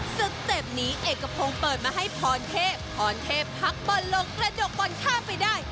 สเต็ปนี้เอกพงศ์เปิดมาให้พรเทพพรเทพพักบอลลงกระจกบอลข้ามไปได้